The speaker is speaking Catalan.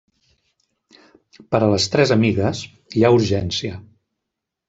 Per a les tres amigues, hi ha urgència.